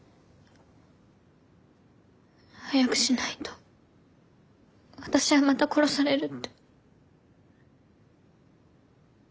早くしないと私はまた殺されるって。